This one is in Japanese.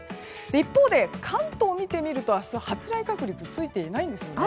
一方で関東を見てみると明日発雷確率ついていないんですね。